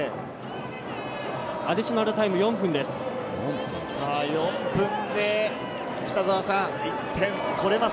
アディショナルタイム４分です。